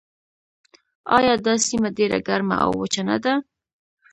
آیا دا سیمه ډیره ګرمه او وچه نه ده؟